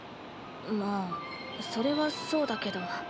まあそれはそうだけど。